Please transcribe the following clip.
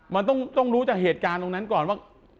มันต้องรู้จากเหตุการณ์ตรงนั้นก่อนว่า